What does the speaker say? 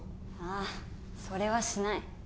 あそれはしない